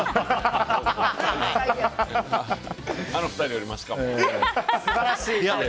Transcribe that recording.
あの２人よりましかも。